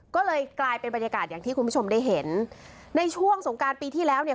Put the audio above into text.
ก็เลยกลายเป็นบรรยากาศอย่างที่คุณผู้ชมได้เห็นในช่วงสงการปีที่แล้วเนี่ย